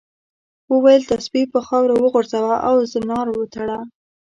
وویل تسبیح په خاورو وغورځوه او زنار وتړه.